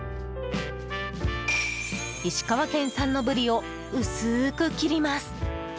石川県産のブリを薄く切ります。